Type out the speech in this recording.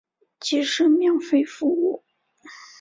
即使免费服务